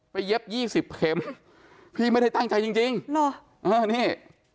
ไปเย็บ๒๐เค็มพี่ไม่ได้ตั้งใจจริงเนี่ย